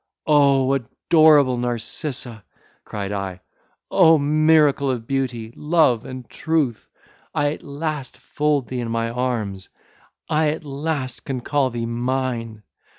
"O adorable Narcissa!" cried I, "O miracle of beauty, love and truth! I at last fold thee in my arms! I at last can call thee mine!